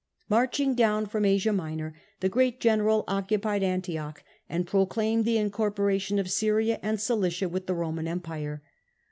Marching down from Asia Minor, the great general occupied Antioch and proclaimed the incorporation of Syria and Cilicia with the Roman empire.